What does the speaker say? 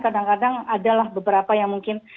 kadang kadang adalah beberapa yang mungkin